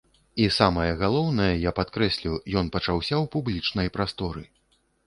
І самае галоўнае, я падкрэслю, ён пачаўся ў публічнай прасторы.